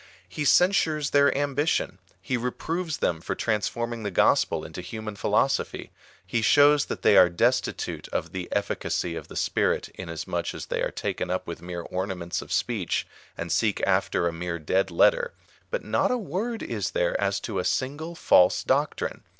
^ He censures their ambition ; he reproves them for transforming the gospel into human philosophy ; he shows that they are destitutS' of the effi cacy of the Spirit, inasmuch as they are taken up with mere ornaments of speech, and seek after a mere dead letter ; but not a word is there as to a single false doctrine.